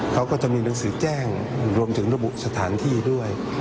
เขาก็จะมีหนังสือแจ้งรวมถึงระบุสถานที่ด้วย